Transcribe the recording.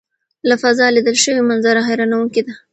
له فضا لیدل شوي منظرې حیرانوونکې دي.